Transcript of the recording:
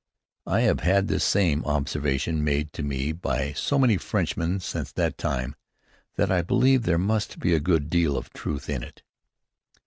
I have had this same observation made to me by so many Frenchmen since that time, that I believe there must be a good deal of truth in it.